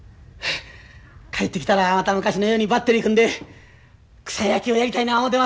帰ってきたらまた昔のようにバッテリー組んで草野球をやりたいな思てますねん。